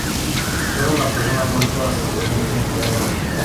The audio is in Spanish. Sólo una persona ha muerto hasta el momento, en Corea del Sur.